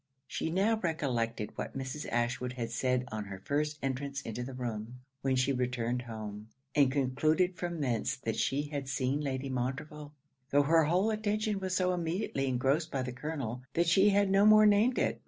She now recollected what Mrs. Ashwood had said on her first entrance into the room, when she returned home; and concluded from thence that she had seen Lady Montreville, tho' her whole attention was so immediately engrossed by the Colonel, that she had no more named it.